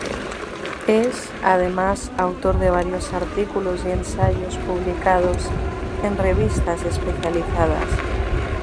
Es, además, autor de varios artículos y ensayos publicados en revistas especializadas.